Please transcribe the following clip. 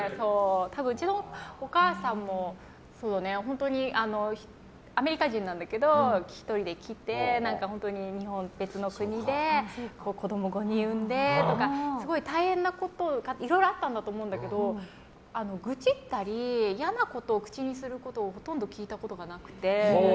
多分、うちのお母さんも本当にアメリカ人なんだけど１人で来て日本、別の国で子供を５人産んでとか大変なこといろいろあったんだと思うんだけど愚痴ったり嫌なことを口にすることをほとんど聞いたことがなくて。